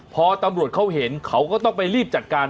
พอตำรวจเขาเห็นเขาก็ต้องไปรีบจัดการ